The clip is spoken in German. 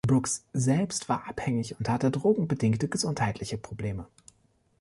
Brooks selbst war abhängig und hatte Drogen-bedingte gesundheitliche Probleme.